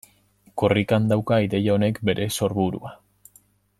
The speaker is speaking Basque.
Korrikan dauka ideia honek bere sorburua.